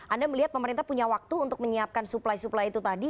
anda melihat pemerintah punya waktu untuk menyiapkan supply suplai itu tadi